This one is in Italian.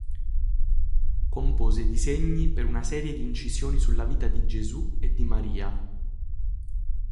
Compose disegni per una serie di incisioni sulla vita di Gesù e di Maria.